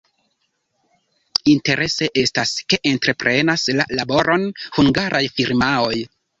Interese estas, ke entreprenas la laboron hungaraj firmaoj.